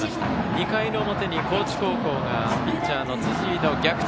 ２回の裏に高知高校がピッチャーの辻井の逆転